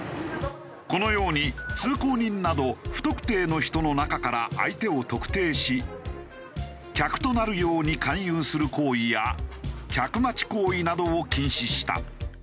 このように通行人など不特定の人の中から相手を特定し客となるように勧誘する行為や客待ち行為などを禁止した。